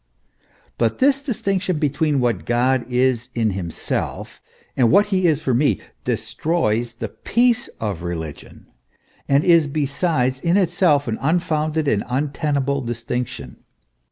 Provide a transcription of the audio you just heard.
But this distinction between what God is in himself, and what he is for me, destroys the peace of religion, and is besides in itself an unfounded and untenable distinction.